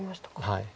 はい。